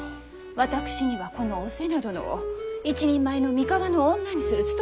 私にはこのお瀬名殿を一人前の三河の女にする務めがあるのです。